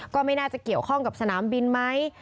ก็ไม่น่าจะเกี่ยวข้องกับสนามบินไหม